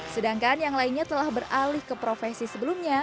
sedangkan yang lainnya telah beralih ke profesi sebelumnya